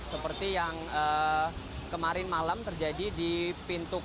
seperti yang kemarin malam terjadi di pintu